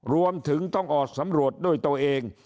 รวมถึงต้องออกสำรวจด้วยตัวเอง